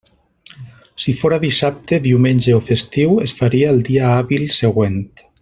Si fóra dissabte, diumenge o festiu, es faria el dia hàbil següent.